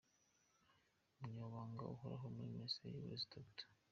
Umunyamabanga uhoraho muri Minisiteri y’Uburezi Dr.